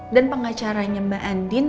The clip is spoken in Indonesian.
dan pengacaranya mbak andin